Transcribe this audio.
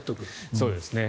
そうですね。